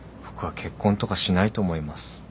僕は結婚とかしないと思います。